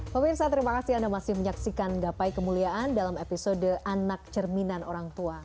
pemirsa terima kasih anda masih menyaksikan gapai kemuliaan dalam episode anak cerminan orang tua